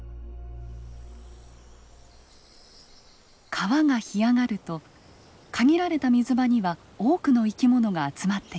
川が干上がると限られた水場には多くの生き物が集まってきます。